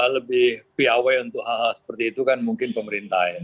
lebih piawe untuk hal hal seperti itu kan mungkin pemerintah ya